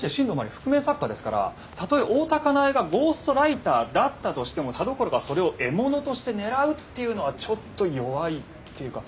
覆面作家ですからたとえ大多香苗がゴーストライターだったとしても田所がそれを獲物として狙うっていうのはちょっと弱いっていうか。